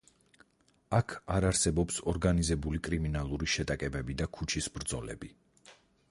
აქ არ არსებობს ორგანიზებული კრიმინალური შეტაკებები და ქუჩის ბრძოლები.